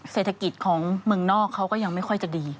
เศรษฐกิจของเมืองนอกเขาก็ยังไม่ค่อยจะดี